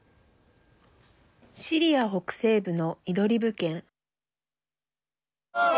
シリア北西部のイドリブ県。